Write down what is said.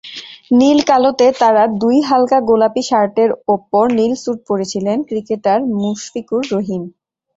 নীল-কালোতে তারা দুইহালকা গোলাপি শার্টের ওপরে নীল স্যুট পরেছিলেন ক্রিকেটার মুশফিকুর রহিম।